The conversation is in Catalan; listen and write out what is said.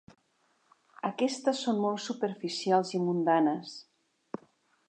Aquestes són molt superficials i mundanes.